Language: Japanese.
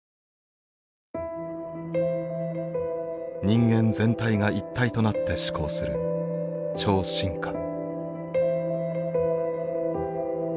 「人間全体が一体となって思考する超進化」。